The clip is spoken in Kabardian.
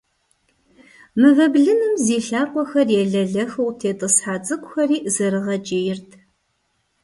Мывэ блыным зи лъакъуэхэр елэлэхыу къытетIысхьа цIыкIухэри зэрыгъэкIийрт.